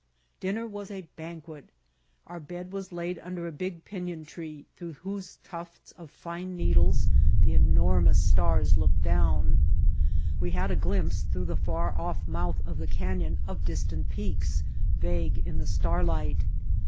Dinner was a ban quet. Our bed was laid under a big pinon tree through whose tufts of fine needles the enormous White Heart of Mojave stars looked down. We had a glimpse through the far off mouth of the canyon of distant peaks, vague in the starlight.